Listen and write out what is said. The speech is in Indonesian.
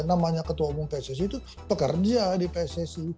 namanya ketua umum pssi itu pekerja di pssi